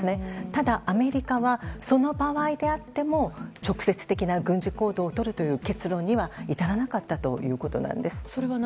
ただ、アメリカはその場合であっても直接的な軍事行動をとるという結論には至らなかったということなんです。